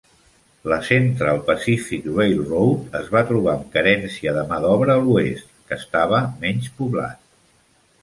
La Central Pacific Railroad es va trobar amb carència de ma d'obra a l'Oest, que estava menys poblat.